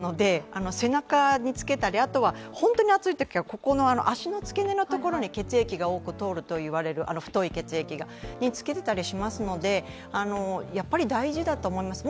暑がりなので、背中につけたり、あとは本当に暑いときは、足の付け根のところに血液が多く通ると言われる、太い血液のところにつけていたりしますので、やっぱり大事だと思います。